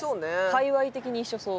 界隈的に一緒そう。